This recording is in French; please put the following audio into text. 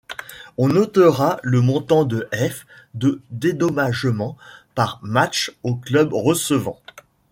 On notera le montant de F de dédommagement par match au club recevant.